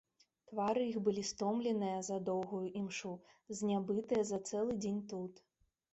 Твары іх былі стомленыя за доўгую імшу, знябытыя за цэлы дзень тут.